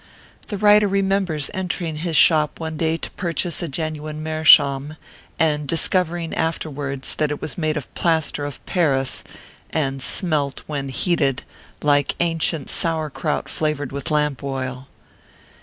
The writer remembers entering his shop one day to purchase a genuine meerschaum, and dis covering, afterwards, that it was made of plaster of Paris, and smelt when heated like ancient sour krout flavored with lamp oil.